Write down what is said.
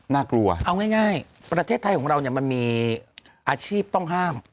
น่ากลัวเอาง่ายประเทศไทยของเรามันมีอาชีพต้องห้าม